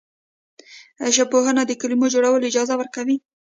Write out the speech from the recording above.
ژبپوهنه د کلمو جوړول اجازه ورکوي.